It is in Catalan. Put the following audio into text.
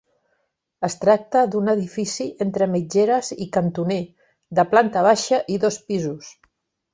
Es tracta d'un edifici entre mitgeres i cantoner, de planta baixa i dos pisos.